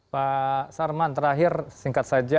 pak sarman terakhir singkat saja